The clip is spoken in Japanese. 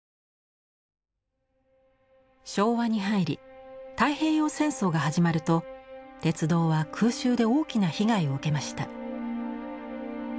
昭和に入り太平洋戦争が始まると鉄道は空襲で大きな被害を受けました。